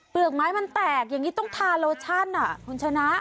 กไม้มันแตกอย่างนี้ต้องทาโลชั่นคุณชนะ